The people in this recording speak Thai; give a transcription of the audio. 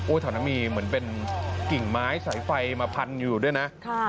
แถวนั้นมีเหมือนเป็นกิ่งไม้สายไฟมาพันอยู่ด้วยนะ